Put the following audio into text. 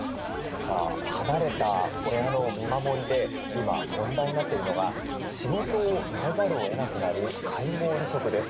さあ離れた親の見守りで今問題になっているのが仕事を辞めざるをえなくなる介護離職です。